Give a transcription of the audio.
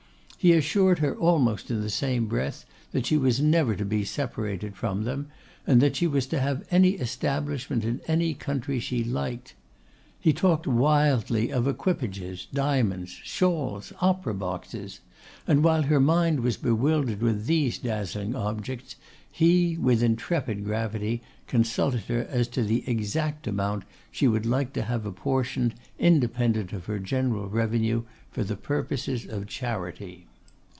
He assured her almost in the same breath, that she was never to be separated from them, and that she was to have any establishment in any country she liked. He talked wildly of equipages, diamonds, shawls, opera boxes; and while her mind was bewildered with these dazzling objects, he, with intrepid gravity, consulted her as to the exact amount she would like to have apportioned, independent of her general revenue, for the purposes of charity.